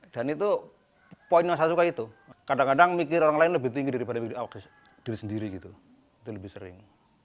dan itu poin yang saya suka itu kadang kadang mikir orang lain lebih tinggi daripada mikir awak sendiri gitu itu lebih sering